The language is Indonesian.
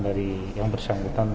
dari yang bersangkutan